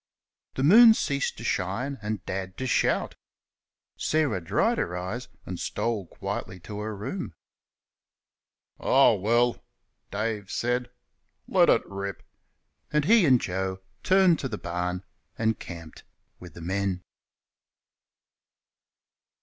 The moon ceased to shine, and Dad to shout. Sarah dried her eyes and stole quietly to her room. "Ah, well!" Dave said, "let it rip," and he and Joe turned to the barn and camped with the men.